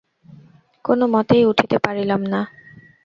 কোনো মতেই উঠিতে পারিলাম না।